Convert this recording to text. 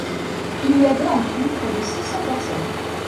Il y avait en tout près de six cents personnes.